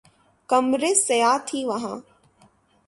کمریں سیاہ تھیں وہاں